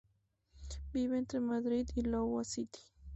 Vive entre Madrid y Iowa City.